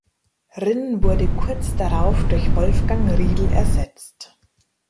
Rinn wurde kurz darauf durch Wolfgang Riedel ersetzt.